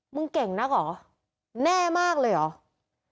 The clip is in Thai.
เก่งนักเหรอแน่มากเลยเหรอ